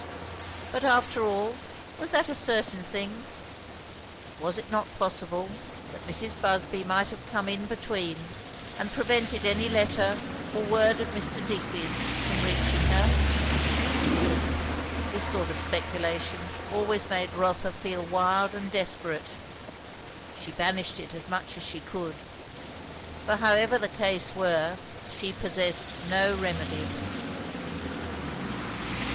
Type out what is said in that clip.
But after all, was that a certain thing? Was it not possible, that Mrs. Busby might have come in between, and prevented any letter or word of Mr. Digby's from reaching her? This sort of speculation always made Rotha feel wild and desperate; she banished it as much as she could; for however the case were, she possessed no remedy.